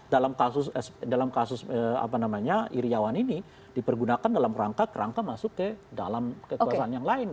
dalam kasus dalam kasus apa namanya iryawan ini dipergunakan dalam rangka rangka masuk ke dalam kekuasaan yang lain